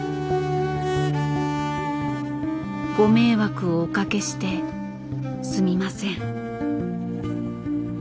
ご迷惑をおかけしてすみません。